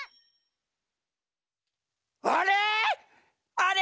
あれ？